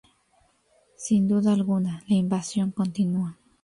Sin duda alguna, la invasión continúa.